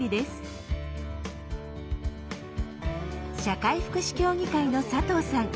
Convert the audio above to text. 社会福祉協議会の佐藤さん。